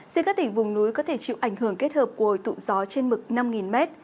riêng các tỉnh vùng núi có thể chịu ảnh hưởng kết hợp của hồi tụ gió trên mực năm m